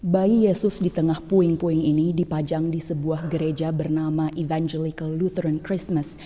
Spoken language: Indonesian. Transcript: bayi yesus di tengah puing puing ini dipajang di sebuah gereja bernama evengelical luteran christmas